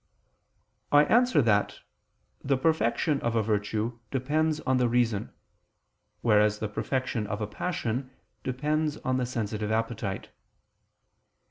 I answer that, The perfection of a virtue depends on the reason; whereas the perfection of a passion depends on the sensitive appetite.